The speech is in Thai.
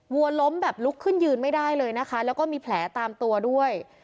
วัวล้มแบบลุกขึ้นยืนไม่ได้เลยนะคะแล้วก็มีแผลตามตัวด้วย